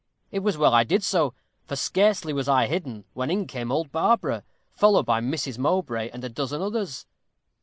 It was well I did so, for scarcely was I hidden, when in came old Barbara, followed by Mrs. Mowbray, and a dozen others."